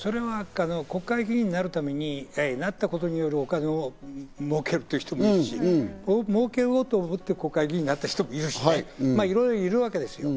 国会議員になったことによるお金を儲けるという人もいるし、儲けようと思って国会議員になった人もいるしね、いろいろいるわけですよ。